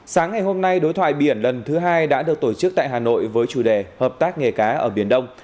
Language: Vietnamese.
sáng ngày hôm nay đối thoại biển lần thứ hai đã được tổ chức tại hà nội với chủ đề hợp tác nghề cá ở biển đông